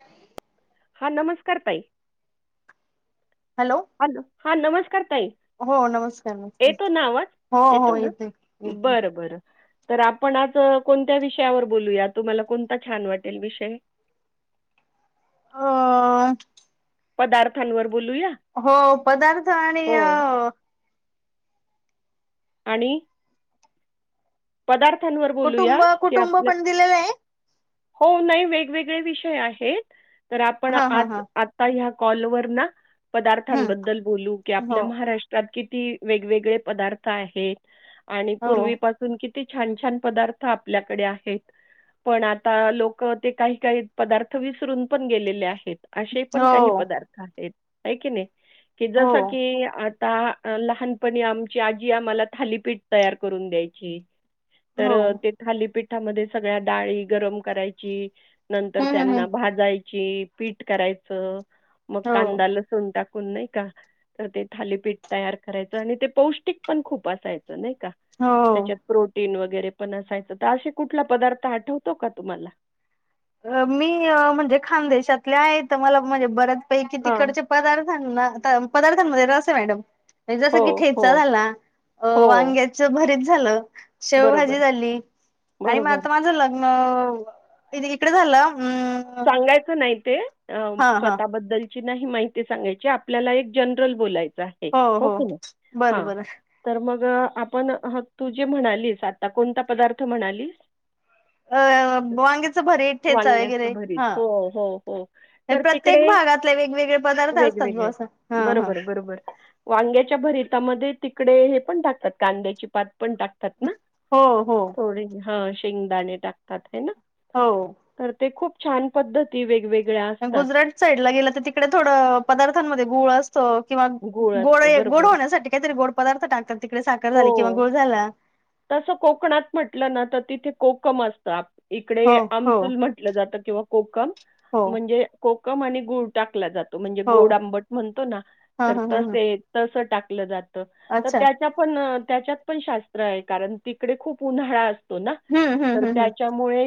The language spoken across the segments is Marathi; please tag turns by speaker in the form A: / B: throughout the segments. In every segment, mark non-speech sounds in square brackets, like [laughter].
A: काय ही.
B: हा नमस्कार ताई.
A: हॅलो,
B: हॅलो हा नमस्कार ताई.
A: हो नमस्कार
B: येतो
A: नमस्कार
B: ना आवाज
A: हो
B: येतो
A: हो
B: ना
A: येते येते
B: बर बरं. तर आपण आज कोणत्या विषयावर बोलूया तुम्हाला कोणता छान वाटेल विषय.
A: अ,
B: पदार्थांवर बोलूया.
A: हो पदार्थ आणि
B: हो
A: अ.
B: आणि. पदार्थांवर बोलूया
A: कुटुंब
B: की
A: कुटुंब
B: आपल्या.
A: पण दिलेलं आहे
B: हो नाही वेगवेगळे विषय आहेत तर आपण
A: हा हा हा
B: आ''--'' ताई ह्या कॉल वर ना
A: हम्म
B: पदार्थांबद्दल बोलू की
A: हो
B: आपल्या महाराष्ट्र. प्रत किती वेगवेगळे पदार्थ आहेत आणि
A: हो
B: पूर्वीप''--'' किती छान छान पदार्थ आपल्याकडे आहेत. पण आता लोक ते काही काही पदार्थ विसरून पण गेलेले आहेत. असे पण
A: हो
B: काही पदार्थ आहेत की नाही की
A: हो
B: जस की आ ठ. ता लहानपणी आमची आजी आम्हाला थालीपीठ तयार करून द्यायची. तर
A: हो
B: ते थालीपीठामध्ये सगळ्या डाळी गरम करायची. नंतर
A: हम्म हम्म हम्म
B: त्यांना भाजायची पीठ करायचं मग
A: हो
B: कांदाला''--'' सून टाकून नाही का. तर ते थालीपीठ तयार करायचं आणि ते पौष्टिक पण खूप असायचं नाही का.
A: हो
B: त्याच्यात प्रोटीन वगैरे पण असायचं तर असे कुठला पदार्थ आठवतो का तुम्हाला.
A: अ मी अ म्हणजे खानदेशातले आहे तर मला म्हणजे बऱ्याच पैकी
B: हां.
A: तिकडचे. पदार्थांना त पदार्थांमध्ये रस आहे मॅडम म्हणजे जस
B: हो,
A: की
B: हो,
A: ठेचा झाला. अ
B: हो.
A: वांग्याच भरीत झालं
B: बरोबर,
A: शेवभाजी झाली आणि म
B: बरोबर.
A: आता माझं ल''--'' नव, इ इकडे झालं. हम्.
B: [unintelligible] अम स्वतःबद्दल - - ची नाही माहिती सांगायची. आपल्याला एक जनरल बोलायचं आहे. हो की नाही?
A: बरं
B: हां.
A: बरं
B: तर मग आपण तू जे म्हणालीस आत्ता कोणता पदार्थ म्हणालीस?
A: अ वांग्याच भरीत ठेचा हे
B: वांग्याचं
A: -
B: भरीत.
A: हं.
B: हो, हो, हो.
A: हे
B: तर तिकडे
A: प्रत्येक भागातले वेगवेगळे पदार्थ असतात
B: वेगवेगळे.
A: बुवा असं. हा हा
B: बरोबर. बरोबर. वांग्याच्या भरितामध्ये तिकडे हे पण टाकतात. कांद्याची पात पण टाकत - -तात ना?
A: हो हो
B: थोडी हा. शेंगदाणे टाकतात आहे ना?
A: हो.
B: तर ते खूप छान पद्धती वेगवेगळ्या असतात.
A: गुजरात साईड ला गेलं तर तिकडे थोडं पदार्थांमध्ये गुळ अस - -तो किंवा
B: गूळ
A: गोड
B: असतो
A: गोड
B: बरोबर.
A: होण्यासाठी काहीतरी गोड पदार्थ टाकतात तिकडे साखर झाली किंवा
B: हो.
A: गूळ झाला.
B: तसं कोकणात म्हटलं ना तर तिथे कोकम असतात.
A: हो
B: इकडे
A: हो
B: आमसुल म्हण - -टल जात किंवा कोकम.
A: हो
B: म्हणजे कोकम आणि गुळ टाकला जात - तो म्हणजे
A: हो
B: गोड आंबट म्हणतो ना?
A: हा
B: तर
A: हा हा
B: तस
A: हा
B: तस टाकलं जात तर
A: अच्छा
B: त्यात - त्या पण त्याच्यात पण शास्त्र आहे. कारण तिकडे खूप उन्हाळा असतो ना?
A: हम्म हम्म
B: तर
A: हम्म हम्म
B: त्याच्या - मुळे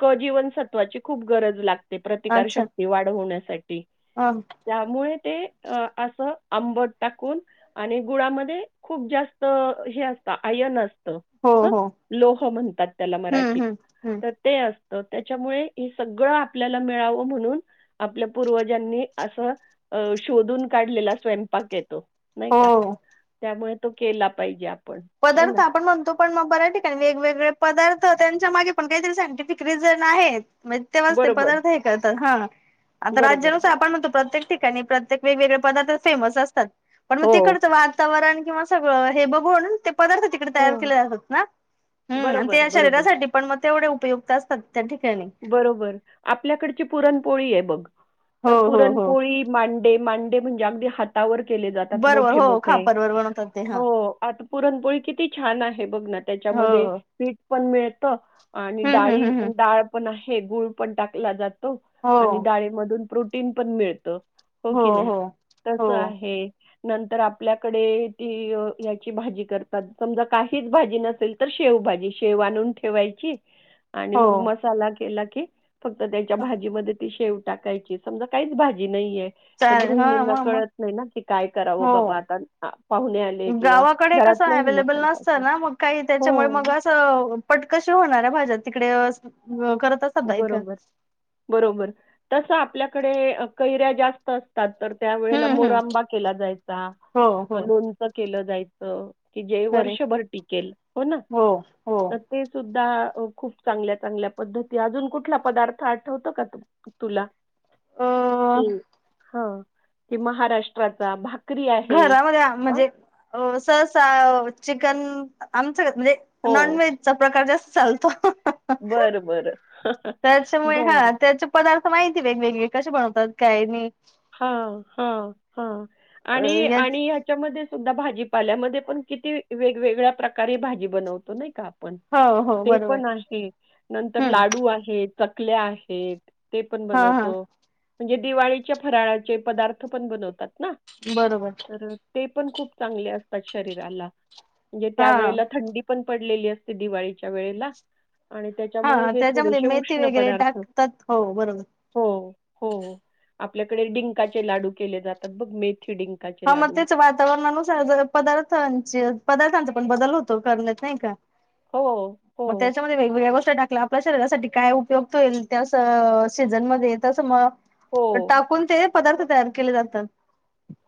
B: क जीवनसत्वाची खूप गरज लागते. प्रतिकार शक्ती वाढवण्यासाठी.
A: ह.
B: त्यामुळे ते अ असं आंबट टाकून - आणि गुळामध्ये खूप जास्त हे असत. आयर्न असत. ह.
A: हो हो
B: लोह म्हणतात त्याला
A: हम्म
B: मराठीत
A: हम्म हम्म
B: तर - ते असत. त्याच्यामुळे हे सगळं आपल्याला मिळावं म्हणून - आपल्या पूर्वजांनी असं अ शोधून काढलेला स्वयंपाकये तो. नाही का?
A: हो
B: त्यामुळे तो केला पाहिजे आपण आहे ना?
A: पदार्थ आपण म्हणतो पण मग बऱ्या ठिकाणी वेगवेगळे पदार्थ, त्यांच्या मागे पण काहीतरी सायंटिफिक रिझन आहेत. म तेंव्हाच ते
B: बरोबर,
A: पदार्थ हे करतात. हा. आता
B: बरोबर,
A: राज्यानुसार
B: बरोबर.
A: आपण म्हणतो प्रत्येक ठिकाणी प्रत्येक - वेगवेगळे पदार्थ फेमस असतात. पण मग
B: हो,
A: तिकडंच वातावरण किंवा सगळं हे बघून- ते पदार्थ तिकडे तयार
B: हो.
A: केले जातात ना? हम्म. आणि
B: बरोबर,
A: ते
B: बरोबर.
A: शरीरासाठी - पण मग तेवढे उपयुक्त असतात त्या ठिकाणी.
B: बरोबर. आपल्याकडची पुरणपोळी आहे बघ.
A: हो
B: तर
A: हो हो
B: पुरणपोळी - मांडे. मांडे म्हणजे अगदी हातावर केले जातात
A: बरोबर
B: मोठे
A: हो
B: मोठे
A: खापरवर
B: -
A: बनवतात ते हा
B: हो. आता पुरणपोळी किती छान आहे बघ ना त्याच्यामध्ये
A: हो
B: - पीठ पण मिळत आणि
A: हम्म
B: डाळी
A: हम्म हम्म हम्म
B: डाळ पण आहे. गुळ पण टाकला जात - -तो
A: हो
B: आणि डाळीमधून प्रोटीन पण मिळत. हो की नाही? तस
A: हो
B: आहे. नंतर आपल्याकडे ती याची भाजी करतात. समजा काहीच भाजी नसेल - तर शेवभाजी. शेव आणून ठेवायची - आणि मग
A: हो
B: मसाला केला की फक्त त्याच्या भाजीमध्ये - ती शेव टाकायची. समजा काहीच भाजी नाहीये- तर
A: चालेल हा
B: गृहिणींना
A: मग मग
B: कळत नाही ना की काय करावं
A: हो
B: बाबा आपण. आता पाहुणे आले किंवा-
A: -डे कस
B: घरातल्याही
A: अवलेबल नसत
B: लोकांसाठी.
A: ना? मग काही त्याच्यामुळे मग-
B: हो.
A: अस पटकशी होणाऱ्या भाज्या तिकडे करत- बायका
B: बरोबर. बरोबर. तस आपल्याकडे कैऱ्या जास्त अस- -तात. तर त्या वेळेला
A: हम्म हम्म
B: मोरंबा केला जायचा.
A: हो हो
B: लोणचं केलं जायच. की जे
A: खरे
B: वर्षभर टिकेल हो ना तर ते सुद्धा खूप चांगल्या चांगल्या पद्धती अजून कुठला पदार्थ आठवतो का तुम तुला
A: अ
B: हम ह ते महाराष्ट्राचा भा
A: घरामध्ये म्हणजे ससा चिकन आमचं म्हणजे, नॉन
B: हो.
A: वहेजचा प्रकार जास्त चालतो.
B: बरं, बरं. बरं,
A: त्याच्यामुळे हा
B: बरं.
A: त्याच्या पदार्थ माहिती वेगवेगळे कसे बनवतात काय नाही.
B: हा हा हा आणि
A: या
B: आणि याच्या मध्ये सुद्धा भाजीपाल्यामध्ये पण किती वेगवेगळ्या प्रकारे भाजी बनवतो नाही का! प
A: हो हो
B: ते
A: बरोबर
B: पण आहे नंतर
A: हम्म
B: लाडू आहे, चकल्या आहेत, ते पण
A: हा हा
B: बनवतो. म्हणजे दिवाळीच्या फराळाचे पदार्थ पण बनवतात ना?
A: बरोबर!
B: ते पण खूप चांगल असतात शरीराला जे
A: हा
B: त्यावेळेला थंडी पण पडलेली असते दिवाळीच्या वेळेला. आणि त्याच्यामुळे
A: हा
B: हे
A: त्याच्यामध्ये
B: थोडेसे
A: मेथी
B: उष्ण
A: वगैरे
B: पदार्थ
A: टाकतात बरोबर
B: हो हो. आपल्याकडे डिंकाचे लाडू केले जातात बघ मेथी डिंक.
A: ह मग त्याच वातावरणानुसार पदार्थांचे पदार्थांचा पण बदल होतो करण्यात नाही का?
B: हो
A: मग
B: हो.
A: त्याच्यामध्ये वेगवेगळ्या गोष्ट टाकल्या आपल्या शरीरासाठी काय उपयोग होईल. त्या सीझन मध्ये तस म
B: हो,
A: टाकूनते पदार्थ तयार केले जातात.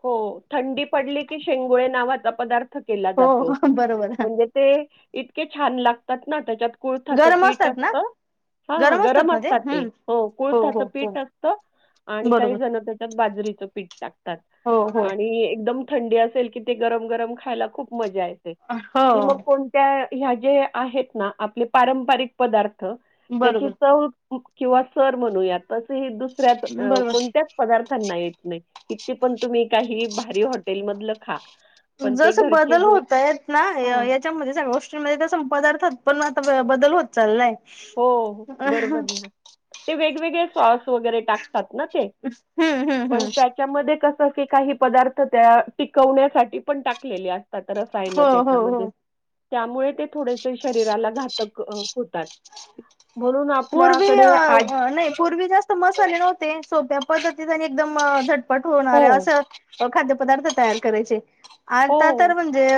B: हो थंडी पडली की शेंगोळे नावाचा पदार्थ केला
A: हो
B: जातो.
A: बरोबर
B: म्हणजे ते इतके छान लागतात ना त्याच्यात कुळथाचं
A: गरम
B: पीठ
A: असतात ना
B: असत. हा गरम असतात ते, हो कुळथाच
A: हो हो
B: पीठ असत. आणि काही
A: बरोबर
B: जण त्याच्यात बाजरीचं पीठ टाकतात.
A: हो हो
B: आणि एकदम थंडी असेल की ते गरम गरम खायला खूप मजा येते.
A: हो
B: ती मग कोण त्या ह्या ज्या आहेत ना, आपले पारंपारिक पदार्थ त्याची
A: बरोबर
B: चव किंवा सर म्हणूया तस दुसऱ्यात अ
A: बरोबर
B: कोणत्याच पदार्थांना येत नाही. ते पण तुम्ही काही भारी हॉटेल मधलं खा. पण ते
A: जस
B: घरचे
A: बदल
B: जे
A: होत य ना
B: हां.
A: याच च्यामध्ये सगळ्या गोष्टींमध्ये पदार्थात पण आता बदल होत चाललाय.
B: हो बरोबर
A: हम्म
B: ना ते वेगवेगळे सॉस वगैरे टाक तात ना ते
A: हम्म हम्म
B: पण त्याच्यामध्ये कस क काही पदार्थ त्या टिकवण्यासाठी पण टाकलेले आहेत. अस रसायन
A: हो हो हो
B: त्याच्यामध्ये त्यामुळे ते थोडेसे शरीराला घातक अ होतात. म्हणून
A: पूर्वी
B: आपल्याकडे आज
A: नाही. पूर्वी जास्त मसाले नव्हते सोप्या पद्धतीत आणि एकदम झटपट होणार
B: हो,
A: आहे असं अ खाद्य पदार्थ तयार करायचे आता
B: हो,
A: तर म्हणजे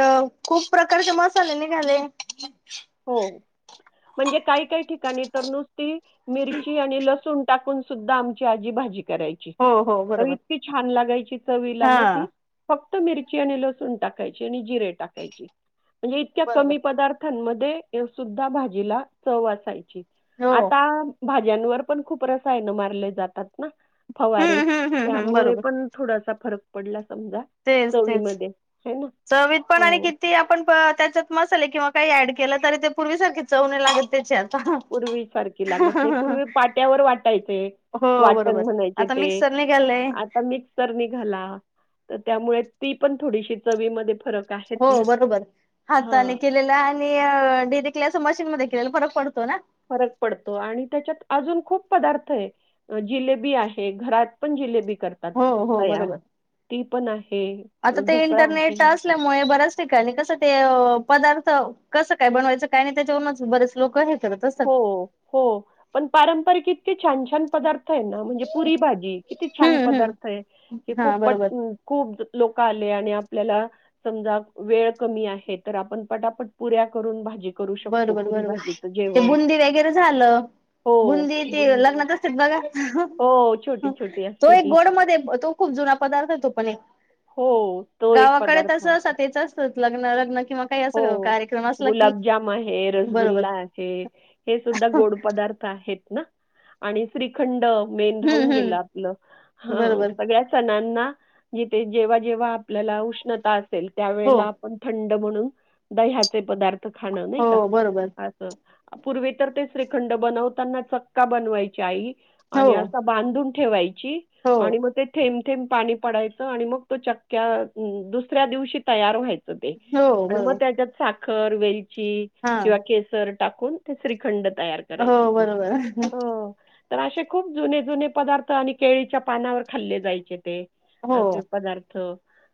A: खूप प्रकारचे मसाले निघाले.
B: हो म्हणजे काही काही ठिकाणी तर नुसति मिरची आणि लसण टाकून. सुद्धा आमची आजी भाजी करायची.
A: हो हो बरोबर
B: इतकी छान लागायची चवीला
A: हा
B: ना ती, फक्त मिरची आणि लसूण टाकायची आणि जिरे टाकायची म्हणजे इतक्या
A: बरोबर
B: कमी पदार्थ ख मध्ये सुद्धा भाजीला चव असायची.
A: हो
B: आता भाज्यांवर पण खूप रसायन मारले जातात ना फवारे
A: हम्म हम्म हम्म हम्म
B: त्यामुळे
A: बरोबर
B: पण थोडासा फरक पडला समजा.
A: तेच तेच
B: चवीमध्ये है ना?
A: चवीत पण आणि
B: हो.
A: किती आपण त्याच्यात, मसाले किंवा काही ऍड केलं तरी, ते पूर्वीसारख चव नाही लागत तेच्यात.
B: पूर्वी सारखी लागत नाही, पूर्वी पाट्यावर वाटायचे.
A: हो
B: वाटण
A: बरोबर
B: म्हणायचे
A: आता
B: ते.
A: मिक्सर निघालय
B: आ- ता मिक्सर निघाला, त्यामुळे ती पण थोडीशी चवीमधे -
A: हो, बरोबर हाताने के- लेल आणि डेरेक्टली अस मशीन मध्ये केलेला फरक पडतो ना.
B: फरक पडतो आणि त्याच्यात अजून खूप पदार्थ आहे. जिलेबी आहे, घरात पण जिलेबी कर- तात,
A: हो हो
B: तयार
A: बरोबर
B: ती पण आहे, ढुकळा आहे.
A: मुळे बऱ्याच ठिकाणी कसं ते पदार्थ- कसं काय बनवायचं, काय नाही त्याच्यावरूनच बरेच लोक- करत असतात
B: हो, हो, पण पारंपरिक किती छान, छान पदार्थ आहे ना, म्हणजे- पुरी भाजी किती छान
A: हम्म हम्म
B: पदार्थ आहे हे
A: हा
B: खूप पट-
A: बरोबर
B: खूप लोक आले आणि आपल्याला- समजा वेळ कमी आहे, तर आपण पटापट पुऱ्या करून भाजी- करू शकतो,
A: बरोबर
B: पुरी
A: बरोबर
B: भाजीच-
A: ते बुंदी वगैरे झालं. बुंदी ते
B: बुंदी.
A: लग्नात असते बघा,
B: हो, छोटी-छोटी
A: तो
B: असते
A: एक
B: ती.
A: गोड- तो खूप जुना पदार्थ तो पण एक,
B: हो, तो एक
A: गावाकडे
B: पदार्थ
A: तस
B: आहे.
A: [unintelligible] [unintelligible] लग्न लग्न किंवा काही असं कार्यक्रम असला की-
B: मग हे
A: बरोबर
B: रसगुल्ला आहे, हे सुद्धा गोड पदार्थ आहेत ना? आणि श्रीखंड मेन राहून
A: हम्म
B: गेलं
A: हम्म
B: आपलं, ह
A: बरोबर
B: सगळ्या सणांना- जिथे जेव्हा, जेव्हा आपल्याला उष्णता असेल,
A: हो
B: त्यावेेळेला आपण थंड म्हणून- दह्याचे पदार्थ खाणं नाही का,
A: हो बरोबर
B: असं. पूर्वे तर ते श्रीखंड बनवताना चक्का बनवायची आई
A: हो
B: आणि असं- बांधून ठेवायची
A: हो
B: आणि मग ते थेंब, थेंब पाणी पडाय- च आणि मग तो चक्क्या, दुसऱ्या दिवशी तयार व्हायचं ते.
A: हो
B: आणि मग
A: बरोबर
B: त्याच्यात साखर, वेलची
A: हा
B: किंवा केसर टाकून ते श्रीखंड तयार -
A: हो बरोबर.
B: तर अशे खूप जुने, जुने पदार्थ आणि केळीच्या पानावर खाल्ले जायचे ते.
A: हो
B: असे पदार्थ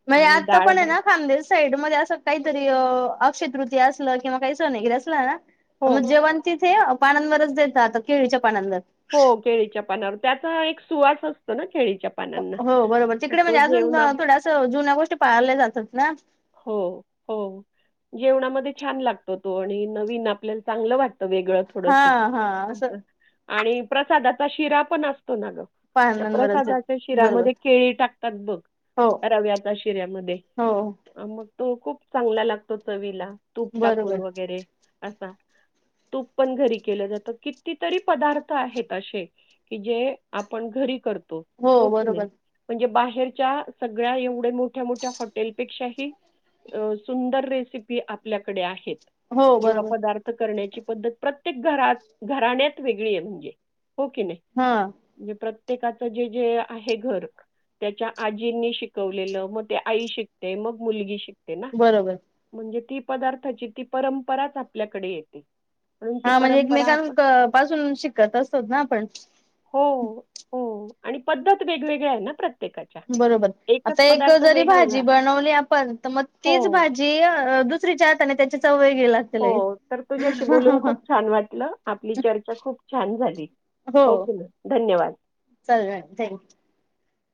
A: म्हणजे
B: आणि
A: आता
B: डाळ
A: पण आहे
B: भात-
A: ना खानदेल साईड मधे अस काहीतरी अक्षय तृतीया असल किंवा काही सण वगैरे असलं
B: हो,
A: मग जेवण - तिथे पानांवरच देतात, केळीच्या पानांवर.
B: हो, केळीच्या पानावर, त्याचा एक सुवास असतो ना केळीच्या- पानांना.
A: हो, बरोबर
B: तर
A: तिकडे
B: तो
A: म्हणजे अजून
B: जेवणा
A: थोड्या असं जुन्या गोष्टी पाळल्या जातात ना.
B: हो, हो जेवणामध्ये छान लागतो तो आणि नवीन आपल्याला चांगलं वाटत. वाटत वेगळं
A: हा
B: थोडस
A: हा असं
B: अस आणि प्रसादाचा शिरा पण असतो ना ग. त्या
A: पानांवरच
B: प्रसादाच्या
A: देतात बरोबर
B: शिऱ्यामध्ये केळी टाकतात बघ,
A: हो
B: रव्याच्या शिऱ्यामध्ये.
A: हो.
B: मग तो खूप चांगला लागतो चवीला, तूप
A: बरोबर
B: टाकून वगैरे असा. तूप पण घरी केलं जातं, कितीतरी पदार्थ आहेत अशे- की जे आपण घरी करतो. हो कनी, म्हणजे बाहेरच्या सगळ्या एवढ्या मोठ्या, मोठ्या हॉटेल- पेक्षाही अ सुंदर रेसिपी आपल्याकड आहेत,
A: हो
B: किंवा
A: बरोबर
B: पदार्थ - करण्याची पद्धत प्रत्येक घरात, घराण्यात वेगळी आहे, म्हणजे हो की नाही.
A: हा,
B: म्हणजे प्रत्येकाचं जे जे आहे घरक. त्याच्या आजींनी शिकवलेलं मग ते आई शिकते मग मुलगी शिकते ना.
A: बरोबर.
B: म्हणजे ती पदार्थाची ती परंपराच आपल्याकडे येते. म्हणून ती
A: हा म्हणजे
B: परंपरा
A: एकमेकां
B: आपण
A: क पासून शिकत असतो ना आपण.
B: हो हो हो हो, आणि पद्धत वेगवेगळे आहे ना प्रत्यक.
A: बरोबर आता एक जरी भाजी
B: वेगवेगळा.
A: बनवली आपण तर म.
B: हो,
A: तीच भाजी अ दुसरीच्या हाताने त्याची चवय गेलाते.
B: हो तर तुझ्याशी बोलून खूप छान वाटलं आपली चर्चा खूप छान झाली. ओके मॅ धन्यवाद.
A: चला थँक्यू.